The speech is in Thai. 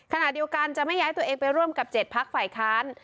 ขณะเดียวกันจะไม่ย้ายตัวเองไปร่วมกับ๗พักฝ่ายค้าน